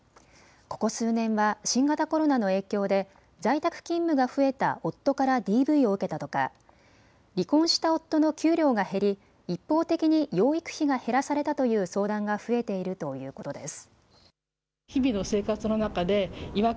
ここ数年は新型コロナの影響で在宅勤務が増えた夫からＤＶを受けたとか、離婚した夫の給料が減り、一方的に養育費が減らされたという相談が増えているということです。